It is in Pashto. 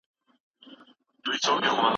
که تاسي بېدېدلاست نو موږ به همېشهلو.